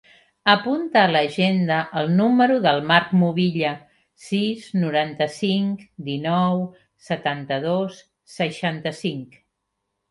Apunta a l'agenda el número del Mark Movilla: sis, noranta-cinc, dinou, setanta-dos, seixanta-cinc.